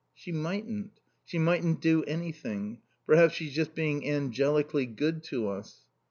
"She mightn't. She mightn't do anything. Perhaps she's just being angelically good to us."